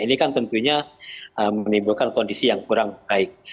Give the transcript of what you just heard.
ini kan tentunya menimbulkan kondisi yang kurang baik